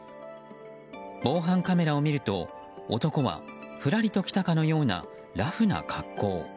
防犯カメラを見ると男は、ふらりと来たかのようなラフな格好。